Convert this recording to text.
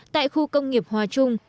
tại khu công nghiệp hòa trung